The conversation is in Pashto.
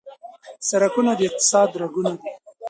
سرکونه د اقتصاد رګونه دي.